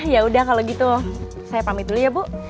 ya udah kalau gitu saya pamit dulu ya bu